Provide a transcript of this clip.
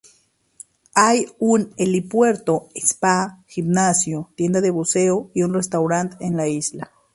Hay un helipuerto, spa, gimnasio, tienda de buceo y un restaurante en la isla.